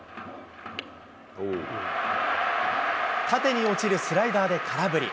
縦に落ちるスライダーで空振り。